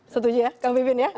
setuju ya kang pipin ya